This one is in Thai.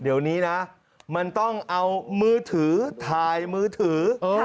เดี๋ยวนี้นะมันต้องเอามือถือถ่ายมือถือ